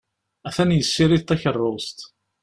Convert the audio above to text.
Atan yessirid takeṛṛust.